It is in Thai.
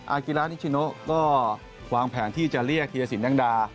อาคิรานิชชิโนะก็วางแผงที่จะเรียกธีรศิลป์ดังดา